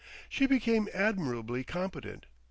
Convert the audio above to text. She became admirably competent.